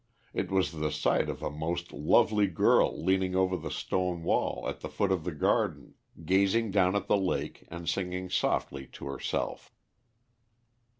It was the sight of a most lovely girl leaning over the stone wall at the foot of the garden, gazing down at the lake and singing softly to herself.